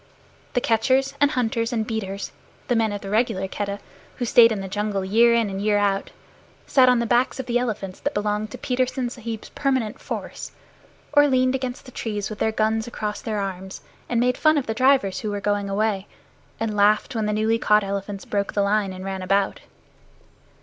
The catchers, and hunters, and beaters, the men of the regular Keddah, who stayed in the jungle year in and year out, sat on the backs of the elephants that belonged to Petersen Sahib's permanent force, or leaned against the trees with their guns across their arms, and made fun of the drivers who were going away, and laughed when the newly caught elephants broke the line and ran about.